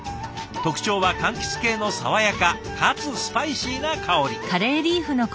特徴はかんきつ系の爽やかかつスパイシーな香り。